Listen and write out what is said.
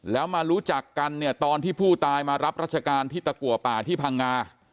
แล้วมารู้จักกันเนี่ยตอนที่ผู้ตายมารับรัชการที่ตะกัวป่าที่พังงา